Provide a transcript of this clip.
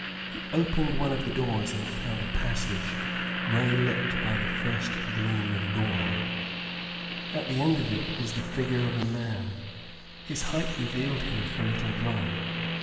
He opened one of the doors and found a passage, grey lit by the first gleam of dawn. At the end of it was the figure of a man. His height revealed him for Little John.